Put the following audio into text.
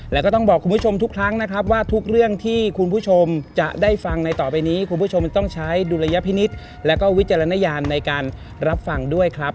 แล้วก็ต้องบอกคุณผู้ชมทุกครั้งนะครับว่าทุกเรื่องที่คุณผู้ชมจะได้ฟังในต่อไปนี้คุณผู้ชมต้องใช้ดุลยพินิษฐ์แล้วก็วิจารณญาณในการรับฟังด้วยครับ